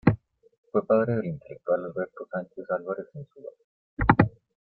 Fue padre del intelectual Alberto Sánchez Álvarez-Insúa.